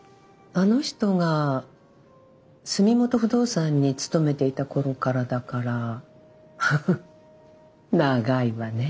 あの人が住元不動産に勤めていた頃からだからハハ長いわね。